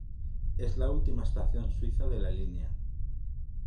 Es la última estación suiza de la línea.